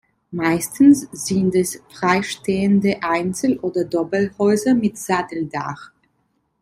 Meistens sind es freistehende Einzel- oder Doppelhäuser mit Satteldach.